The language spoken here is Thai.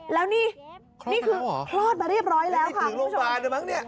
แล้วนี่นี่คือคลอดมาเรียบร้อยแล้วค่ะคุณผู้ชมไม่ถึงโรงพยาบาลเหรอมั้งนี่